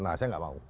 nah saya enggak mau